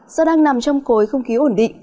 do đang nằm trong cối không khí ổn định